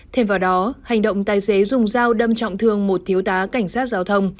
thêm vào đó hành động tài xế dùng dao đâm trọng thương một thiếu tá cảnh sát giao thông